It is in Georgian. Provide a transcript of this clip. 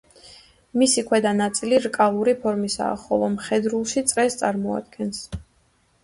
მისი ქვედა ნაწილი რკალური ფორმისაა, ხოლო მხედრულში წრეს წარმოადგენს.